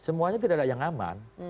semuanya tidak ada yang aman